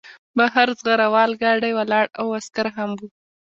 بهر زغره وال ګاډی ولاړ و او عسکر هم وو